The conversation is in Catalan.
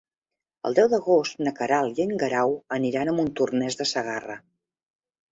El deu d'agost na Queralt i en Guerau aniran a Montornès de Segarra.